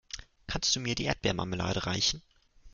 Kannst du mir die Erdbeermarmelade reichen?